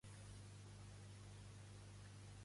D'on era originari Maximí d'Ais?